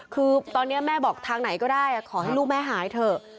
คือตอนนี้แม่บอกทางไหนก็ได้ขอให้ลูกแม่หายเถอะ